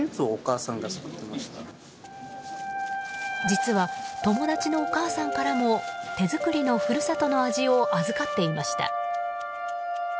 実は、友達のお母さんからも手作りの故郷の味を預かっていました。